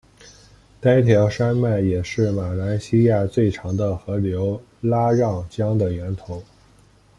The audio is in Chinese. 该条山脉也是马来西亚最长的河流拉让江的源头。